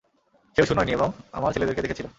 সেও সুনয়নী এবং আমার ছেলেদেরকে দেখেছিল।